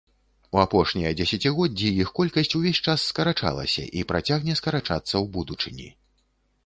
У апошнія дзесяцігоддзі іх колькасць увесь час скарачалася і працягне скарачацца ў будучыні.